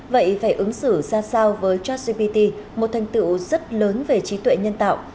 vậy phải ứng xử ra sao với chartsgpt một thành tựu rất lớn về trí tuệ nhân tạo